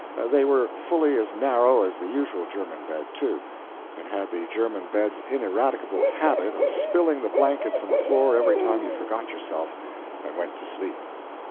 They were fully as narrow as the usual German bed, too, and had the German bed's ineradicable habit of spilling the blankets on the floor every time you forgot yourself and went to sleep.